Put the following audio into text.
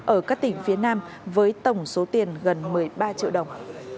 ở các tỉnh phía nam với tổng số tiền gần một mươi ba triệu đồng